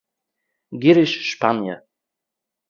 גירוש שפּאַניע